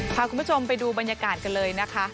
พาคุณผู้ชมไปดูบรรยากาศกันเลยนะคะ